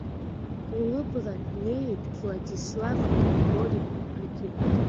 Уыбра днеит Владислав Григори-иԥагьы.